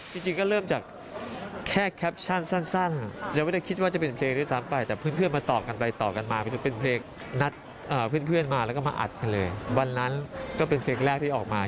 ถือว่าไม่ธรรมดานะคุณนัก